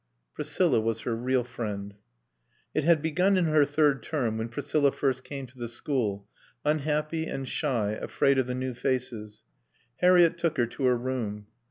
Priscilla was her real friend. It had begun in her third term, when Priscilla first came to the school, unhappy and shy, afraid of the new faces. Harriett took her to her room.